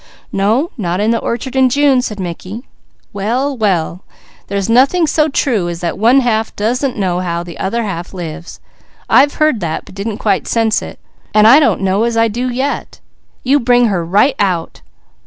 "No, 'not in the orchard in June!'" said Mickey. "Well, well!" marvelled Peter. "There's nothing so true as that 'one half doesn't know how the other half lives.' I've heard that, but I didn't quite sense it, and I don't know as I do yet. You bring her right out!"